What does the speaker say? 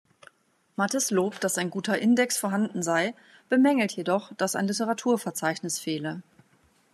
Mathys lobt, dass ein „guter Index“ vorhanden sei, bemängelt jedoch, dass ein Literaturverzeichnis fehle.